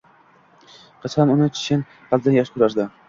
Qiz ham uni chin qalbdan yaxshi koʻrardi.